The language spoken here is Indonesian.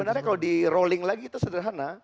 sebenarnya kalau di rolling lagi itu sederhana